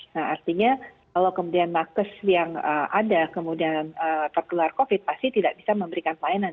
nah artinya kalau kemudian nakes yang ada kemudian tertular covid pasti tidak bisa memberikan pelayanan